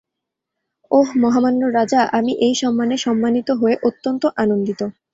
ওহ, মহামান্য রাজা, আমি এই সম্মানে সম্মানিত হয়ে অত্যন্ত আনন্দিত।